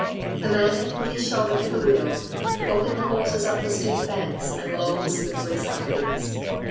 The man had put his shoulder to the wheel, helping the horses up the steep banks and long, slippery sidings.